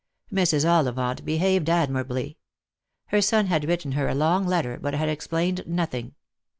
Mrs. Ollivant behaved admirably. Her son had written her a long letter, but had explained nothing.